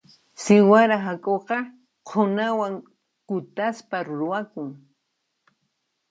Siwara hak'uqa qhunawan kutaspa ruwakun.